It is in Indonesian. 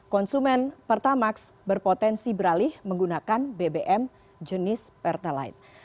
konsumen pertamax berpotensi beralih menggunakan bbm jenis pertalite